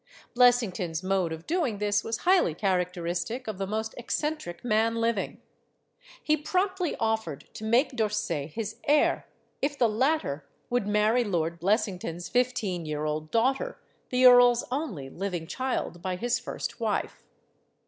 Blessington's mode of doing this was highly characteristic of the most eccen tric man living. He promptly offered to make D'Or say his heir, if the latter would marry Lord Blessing ton's fifteen year old daughter, the earl's only living child by his first wife.